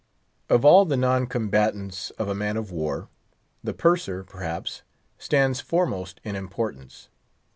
Of all the non combatants of a man of war, the Purser, perhaps, stands foremost in importance.